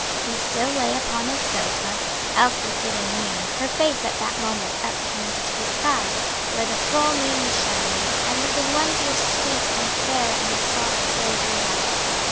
He still lay upon his sofa; Elsie sitting near, her face at that moment upturned to the sky, where the full moon was shining, and looking wondrous sweet and fair in the soft silvery light.